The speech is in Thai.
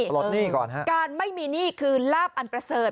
หนี้ก่อนฮะการไม่มีหนี้คือลาบอันประเสริฐ